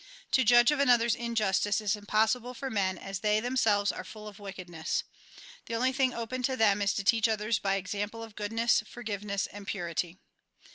To judge of another's injustice is impossible for men, as they themselves are full of wickedness. The only thing open to them is to teach others by e.xample of goodness, forgiveness, and purity.